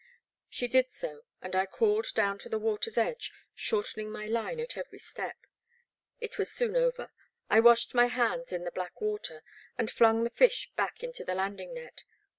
She did so, and I crawled down to the water's edge, shortening my line at every step. It was soon over; I washed my hands in the black water, and flung the fish back into the landing net.